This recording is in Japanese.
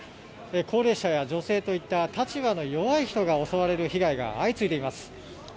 高齢者や女性といった立場の弱い人が襲われる被害が相次いでいます。